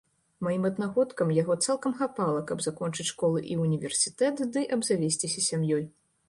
Маім аднагодкам яго цалкам хапала, каб закончыць школу і ўніверсітэт ды абзавесціся сям'ёй.